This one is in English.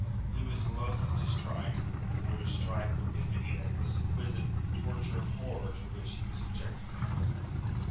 He was loth to strike, for to strike would mean to end this exquisite torture of horror to which he was subjecting him.